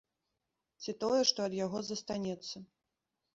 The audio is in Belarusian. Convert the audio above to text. Ці тое, што ад яго застанецца.